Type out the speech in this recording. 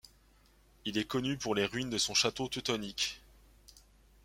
Il est connu pour les ruines de son château teutonique.